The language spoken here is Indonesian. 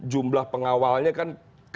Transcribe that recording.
jumlah pengawalnya kan